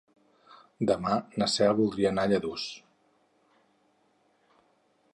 Demà na Cel voldria anar a Lladurs.